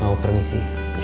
ga mau permisi